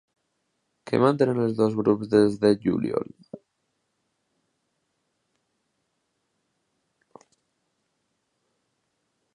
Què mantenen els dos grups des de juliol?